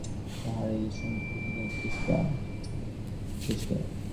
পরিপাকশক্তির উন্নতিসাধনের জন্য তাঁহার এই সাংবৎসরিক চেষ্টা।